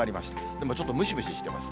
でもちょっとムシムシしてます。